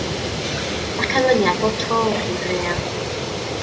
Mae'r canlyniad bob tro yn rhif real.